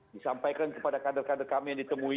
disampaikan kepada kader kader kami yang ditemui